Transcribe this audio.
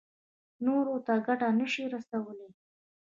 نورو ته ګټه نه شي رسولی.